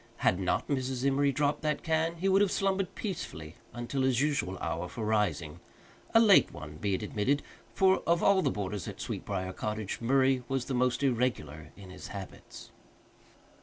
Had not Mrs. Emory dropped that can, he would have slumbered peacefully until his usual hour for rising a late one, be it admitted, for of all the boarders at Sweetbriar Cottage Murray was the most irregular in his habits.